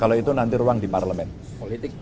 kalau itu nanti ruang di parlement